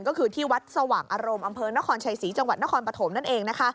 ก็คือที่วัดสว่างอารมณ์อำเภอนครชัยศรีจังหวัดนครปฐมนั่นเองนะคะ